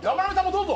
どうぞ！